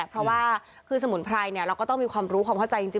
เพราะว่าคือสมุนไพรเราก็ต้องมีความรู้ความเข้าใจจริง